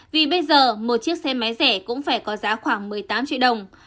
vì bây giờ một chiếc xe máy rẻ cũng phải có giá khoảng một mươi tám triệu đồng